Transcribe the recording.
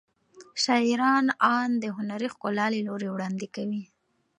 شاعران اند د هنري ښکلا له لارې وړاندې کوي.